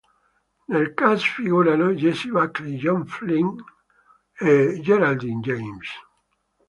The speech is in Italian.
Nel cast figurano Jessie Buckley, Johnny Flynn e Geraldine James.